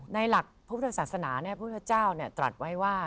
ในหลักพุทธศาสนาพุทธเจ้าตรัสไว้ว่า